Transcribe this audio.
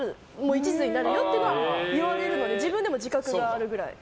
一途になるよって言われるので自分でも自覚があるくらい。